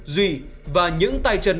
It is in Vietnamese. duy và những tay chân